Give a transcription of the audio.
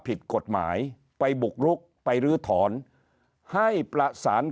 ผิดกฎหมายไปบุกรุกไปรื้อถอนให้ประสาน